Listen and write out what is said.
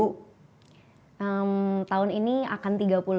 tahun ini akan tiga puluh